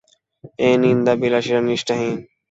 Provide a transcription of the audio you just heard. এই নিন্দাবিলাসীরা নিষ্ঠাহীন।